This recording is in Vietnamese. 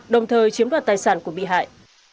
đồng thời chiếm đoạt tài sản của bị hại